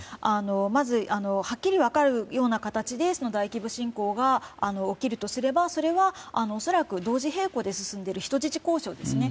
まず、はっきり分かるような形で大規模侵攻が起きるとすればそれは恐らく同時並行で進んでいる人質交渉ですね。